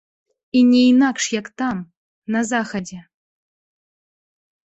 І не інакш як там, на захадзе.